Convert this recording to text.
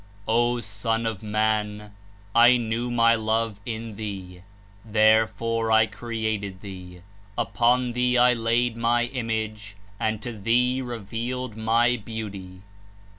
^^O Son of Man! I knew my Love in thee; there fore I created thee: upon thee I laid my image, and to thee revealed my Beauty.